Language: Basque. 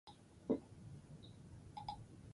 Hau da, erpina kurbaren maximo edo minimo lokal bat da.